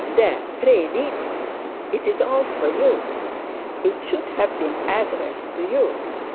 There; pray read it. It is all for you. It should have been addressed to you.